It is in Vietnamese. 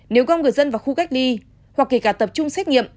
nếu có người dân vào khu cách ly hoặc kể cả tập trung xét nghiệm